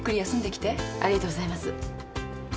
ありがとうございます。